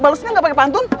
balesnya gak pake pantun